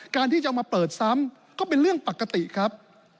การที่จะเอามาเปิดซ้ำก็เป็นเรื่องปกติครับ